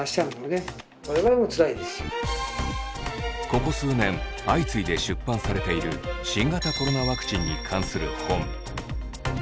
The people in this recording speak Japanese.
ここ数年相次いで出版されている新型コロナワクチンに関する本。